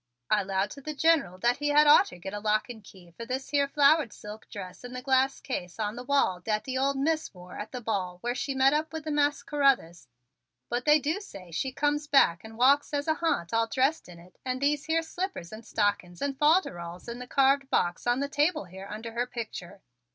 "I 'lowed to the Gener'l that he had oughter git a lock and key fer this here flowered silk dress in the glass case on the wall dat de ole Mis' wore at the ball where she met up with Mas' Carruthers, but they do say that she comes back and walks as a ha'nt all dressed in it and these here slippers and stockings and folderols in the carved box on the table here under her picture.